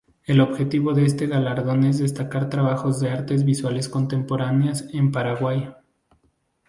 El objetivo de este galardón es destacar trabajos de artes visuales contemporáneas en Paraguay.